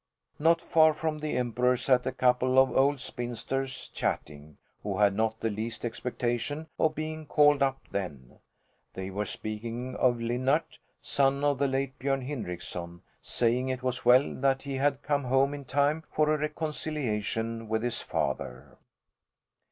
Not far from the Emperor sat a couple of old spinsters, chatting, who had not the least expectation of being called up then. They were speaking of Linnart, son of the late Björn Hindrickson, saying it was well that he had come home in time for a reconciliation with his father.